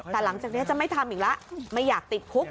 แต่หลังจากนี้จะไม่ทำอีกแล้วไม่อยากติดคุก